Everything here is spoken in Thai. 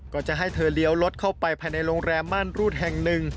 ก็จะให้เธอเลี้ยวรถเข้าไปภายในโรงแรมม่านรูดแห่งหนึ่ง